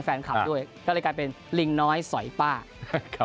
แฟนคลับด้วยก็เลยกลายเป็นลิงน้อยสอยป้าครับ